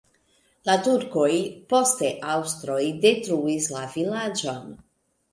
La turkoj, poste aŭstroj detruis la vilaĝon.